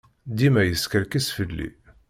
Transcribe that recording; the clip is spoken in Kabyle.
Dima yeskerkis fell-i.